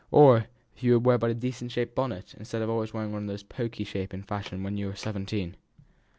Or, if you would but wear a decent shaped bonnet, instead of always wearing those of the poky shape in fashion when you were seventeen."